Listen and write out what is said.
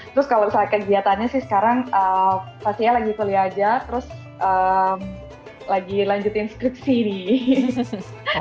terus kalau misalnya kegiatannya sih sekarang pastinya lagi kuliah aja terus lagi lanjutin skripsi nih